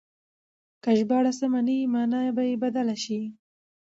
که ژباړه سمه نه وي مانا به يې بدله شي.